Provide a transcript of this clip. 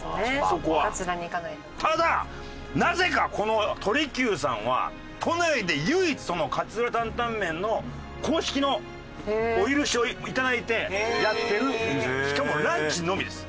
ただなぜかこの鳥久さんは都内で唯一勝浦タンタンメンの公式のお許しを頂いてやってるお店しかもランチのみです。